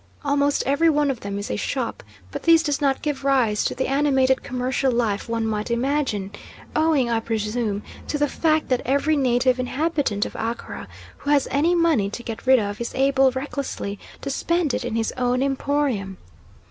Almost every one of them is a shop, but this does not give rise to the animated commercial life one might imagine, owing, I presume, to the fact that every native inhabitant of Accra who has any money to get rid of is able recklessly to spend it in his own emporium.